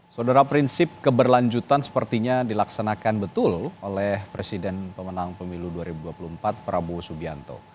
saudara prinsip keberlanjutan sepertinya dilaksanakan betul oleh presiden pemenang pemilu dua ribu dua puluh empat prabowo subianto